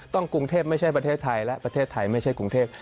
กรุงเทพไม่ใช่ประเทศไทยและประเทศไทยไม่ใช่กรุงเทพ